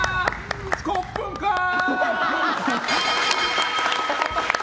コップンカー！